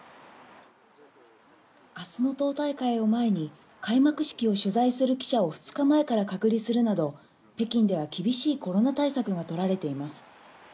明日の党大会を前に開幕式を取材する記者を２日前から隔離するなど、北京では厳しいコロナ対策が取られています。